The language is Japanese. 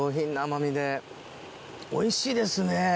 おいしいですね。